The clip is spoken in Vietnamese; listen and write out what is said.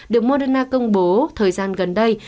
được moderna công bố thời gian gần đây